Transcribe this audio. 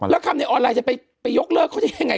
แล้วทำในออนไลน์จะไปยกเลิกเขาจะยังไง